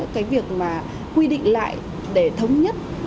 cái việc mà quy định lại để thống nhất